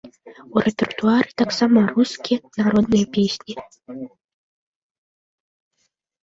У рэпертуары таксама рускія народныя песні.